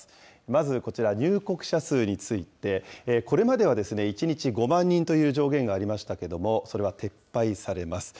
まずこちら、入国者数について、これまでは１日５万人という上限がありましたけども、それは撤廃されます。